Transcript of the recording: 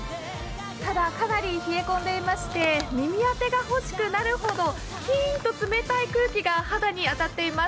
ただ、かなり冷え込んでいまして耳当てが欲しくなるほど、キーンと冷たい空気が肌に当たっています。